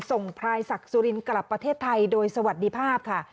พลายศักดิ์สุรินทร์กลับประเทศไทยโดยสวัสดีภาพค่ะ